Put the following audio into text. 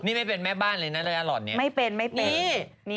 นี่ไม่เป็นแม่บ้านเลยนะระยะห่อนนี้ไม่เป็นไม่เป็น